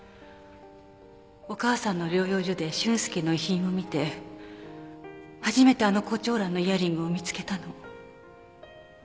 お母さんの療養所で俊介の遺品を見て初めてあのコチョウランのイヤリングを見つけたの。